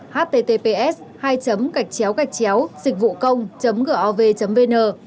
https hai cạch chéo cạch chéo dịch vụ công gov vn